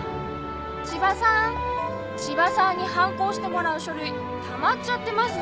「千葉さん」「千葉さんにハンコ押してもらう書類たまっちゃってます。